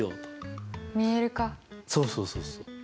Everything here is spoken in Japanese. そうそうそうそう。